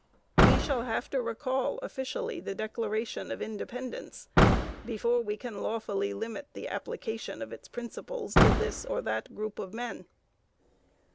We shall have to recall officially the Declaration of Independence before we can lawfully limit the application of its principles to this or that group of men.